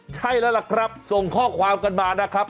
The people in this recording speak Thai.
ใช่แล้วล่ะครับส่งข้อความกันมานะครับ